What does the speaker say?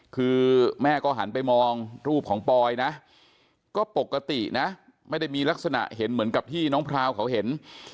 คือแม่ก็หันไปมองรูปของปอยนะก็ปกตินะไม่ได้มีลักษณะเห็นเหมือนกับที่น้องพราวเขาเห็น